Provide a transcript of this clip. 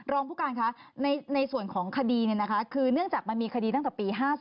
รองผู้การคะในส่วนของคดีคือเนื่องจากมันมีคดีตั้งแต่ปี๕๐